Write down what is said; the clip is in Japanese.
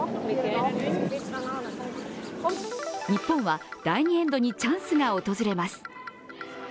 日本は第２エンドにチャンスが訪れます。